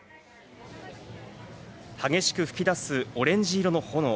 激しく噴き出すオレンジ色の炎。